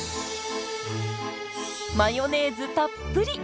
マヨネーズたっぷり！